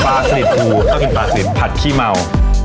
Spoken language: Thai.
ปลาสลิดภูเข้ากินปลาสลิดผัดขี้เมา